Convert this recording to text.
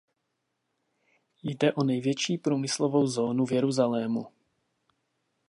Jde o největší průmyslovou zónu v Jeruzalému.